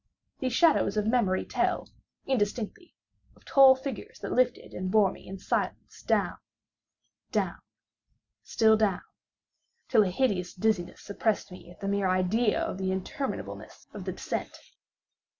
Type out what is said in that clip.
These shadows of memory tell, indistinctly, of tall figures that lifted and bore me in silence down—down—still down—till a hideous dizziness oppressed me at the mere idea of the interminableness of the descent.